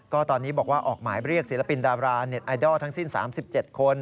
ก็ตอนนี้บอกว่าออกหมายเรียกศิลปินดาราเน็ตไอดอลทั้งสิ้น๓๗คน